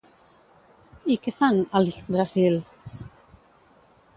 I què fan a l'Yggdrasil?